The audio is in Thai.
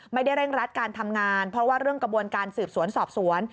เร่งรัดการทำงานเพราะว่าเรื่องกระบวนการสืบสวนสอบสวน